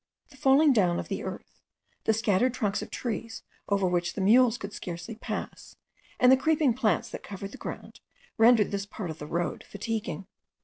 The falling down of the earth, the scattered trunks of trees, over which the mules could scarcely pass, and the creeping plants that covered the ground, rendered this part of the road fatiguing.